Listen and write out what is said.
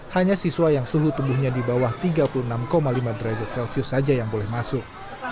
hanya siswa yang suhu tubuhnya di bawah tiga puluh enam lima derajat celcius saja yang boleh masuk